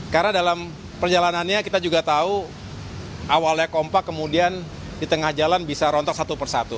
karena dalam perjalanannya kita juga tahu awalnya kompak kemudian di tengah jalan bisa rontok satu persatu